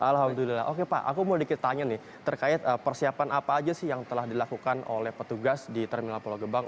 alhamdulillah oke pak aku mau dikit tanya nih terkait persiapan apa aja sih yang telah dilakukan oleh petugas di terminal pulau gebang